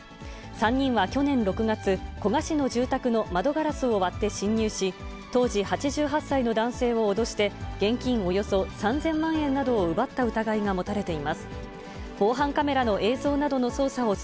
３人は去年６月、古河市の住宅の窓ガラスを割って侵入し、当時８８歳の男性を脅して、現金およそ３０００万円などを奪った疑いが持たれています。